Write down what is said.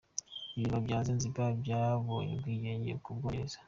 Ibirwa bya Zanzibar byabonye ubwigenge ku Bwongereza.